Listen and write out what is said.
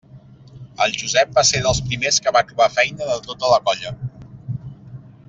El Josep va ser dels primers que va trobar feina de tota la colla.